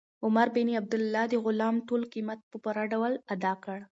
عمر بن عبیدالله د غلام ټول قیمت په پوره ډول ادا کړ.